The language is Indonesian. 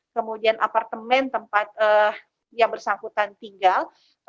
kemudian apartemen tempat yang bersangkutan tinggal